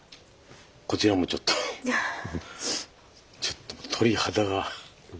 こちらもちょっとちょっと鳥肌が立ちましたね。